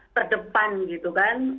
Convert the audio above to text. terdepan gitu kan